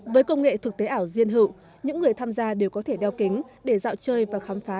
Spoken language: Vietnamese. với công nghệ thực tế ảo riêng hữu những người tham gia đều có thể đeo kính để dạo chơi và khám phá